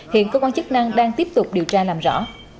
hiện cơ quan chức năng đang tiếp tục điều tra làm rõ